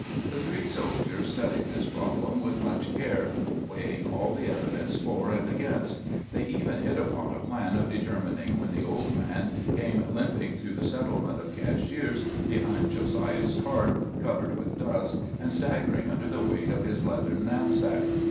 The three soldiers studied this problem with much care, weighing all the evidence for and against. They even hit upon a plan of determining when the old man came limping through the settlement of Cashiers behind Josiah's cart, covered with dust, and staggering under the weight of his leathern knapsack.